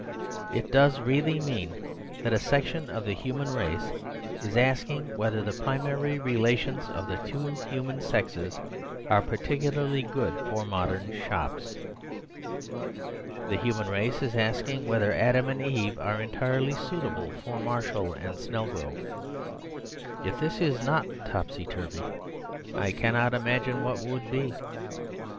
It does really mean that a section of the human race is asking whether the primary relations of the two human sexes are particularly good for modern shops. The human race is asking whether Adam and Eve are entirely suitable for Marshall and Snelgrove. If this is not topsy turvy I cannot imagine what would be.